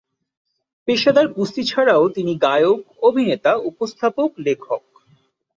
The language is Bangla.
পেশাদার কুস্তি ছাড়াও তিনি গায়ক, অভিনেতা, উপস্থাপক, লেখক।